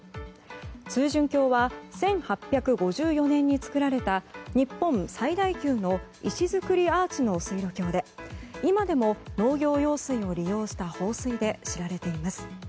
通潤橋は１８５４年に造られた日本最大級の石造りアーチの水路橋で今でも農業用水を利用した放水で知られています。